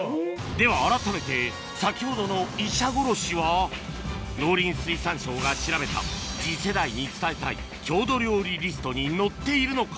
ではあらためて先ほどの医者ごろしは農林水産省が調べた次世代に伝えたい郷土料理リストに載っているのか？